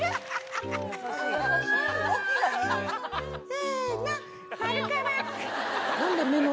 せの。